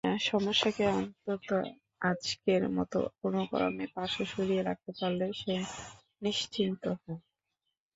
সমস্যাকে অন্তত আজকের মতো কোনোক্রমে পাশে সরিয়ে রাখতে পারলে সে নিশ্চিন্ত হয়।